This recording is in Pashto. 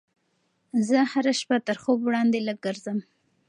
زه هره شپه تر خوب وړاندې لږ ګرځم.